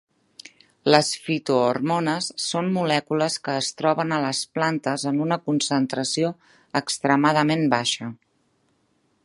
Les fitohormones són molècules que es troben a les plantes en una concentració extremadament baixa.